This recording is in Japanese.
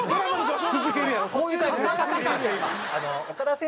続けるやん。